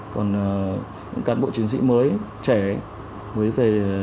còn cán bộ chiến sĩ thì cũng hay ốm